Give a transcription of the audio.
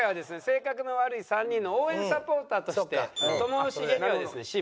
性格の悪い３人の応援サポーターとしてともしげにはですね芝。